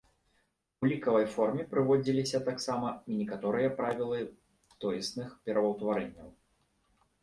У лікавай форме прыводзіліся таксама і некаторыя правілы тоесных пераўтварэнняў.